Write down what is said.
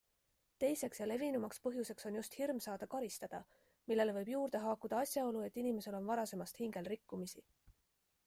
Teiseks ja levinumaks põhjuseks on just hirm saada karistada, millele võib juurde haakuda asjaolu, et inimesel on varasemast hingel rikkumisi.